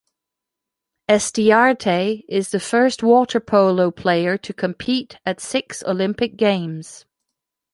Estiarte is the first water polo player to compete at six Olympic Games.